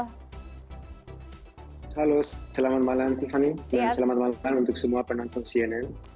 halo selamat malam tiffany dan selamat malam untuk semua penonton cnn